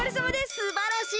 すばらしい！